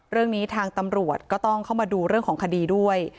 เรื่องนี้ทางตำรวจก็ต้องเข้ามาดูเรื่องของคดีด้วย